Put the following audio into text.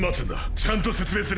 ちゃんと説明する！